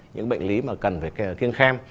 những bệnh lý mà cần phải kiêm khem